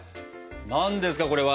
何ですかこれは。